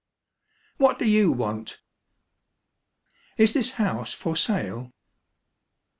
" What do you want? "'* Is this house for sale?